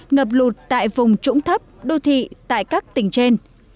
ngập lụt tại vùng trũng thấp đô thị tại các tỉnh trên